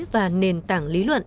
và nền tảng lý luận